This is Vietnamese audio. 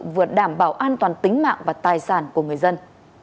vừa đảm bảo an toàn tính mạng và tài sản của người dân